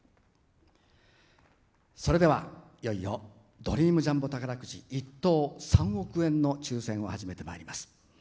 それでは、いよいよドリームジャンボ宝くじ１等３億円の抽せんを始めてまいります。